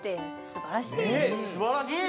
すばらしいよね。